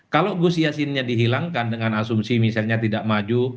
kalau gus yasinnya dihilangkan dengan asumsi misalnya tidak maju